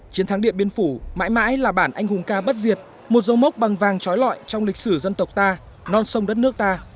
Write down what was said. chiến thắng điện biên phủ mãi mãi là bản anh hùng ca bất diệt một dấu mốc bằng vàng trói lọi trong lịch sử dân tộc ta non sông đất nước ta